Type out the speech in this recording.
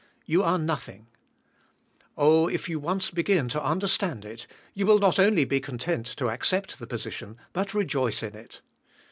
You are nothing*. Oh ! if you once begin to understand it, you will not only be content to accept the posi tion, but rejoice in it.